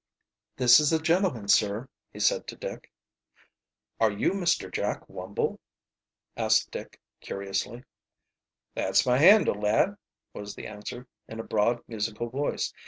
"This is the gentleman, sir," he said to Dick. "Are you Mr. Jack Wumble?" asked Dick curiously. "That's my handle, lad," was the answer, in a broad, musical voice.